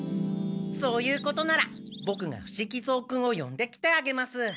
そういうことならボクが伏木蔵君をよんできてあげます。